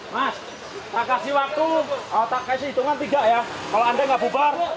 mas tak kasih waktu tak kasih hitungan tiga ya kalau anda nggak bubar